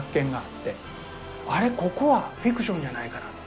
ここはフィクションじゃないかなとか。